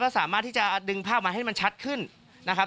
สามารถที่จะดึงภาพมาให้มันชัดขึ้นนะครับ